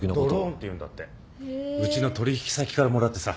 うちの取引先からもらってさ